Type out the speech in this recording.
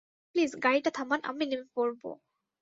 Please গাড়িটা থামান, আমি নেমে পড়ব।